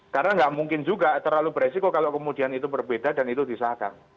karena nggak mungkin juga terlalu beresiko kalau kemudian itu berbeda dan itu disahkan